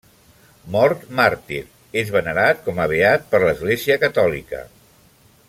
Mort màrtir, és venerat com a beat per l'Església catòlica.